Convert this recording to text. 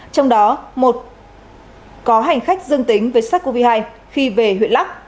trong đó một có hành khách dương tính với sars cov hai khi về huyện lắc